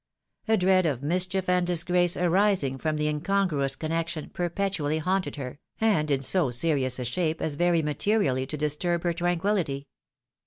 A dread of mischief and disgrace arising from the incongruous connection perpetually haunted her, and in so serious a shape as very materially to disturb her tran quillity.